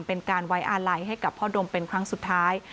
เป็นการไว้อาลัยให้กับพ่อดมเป็นครั้งสุดท้าย